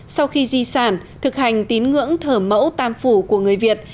sau khi di sản thực hành tín ngưỡng thờ mẫu tam phủ của người việt